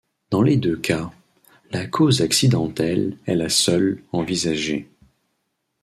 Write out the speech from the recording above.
Dans les deux cas, la cause accidentelle est la seule envisagée.